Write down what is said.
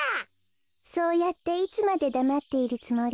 そうやっていつまでだまっているつもり？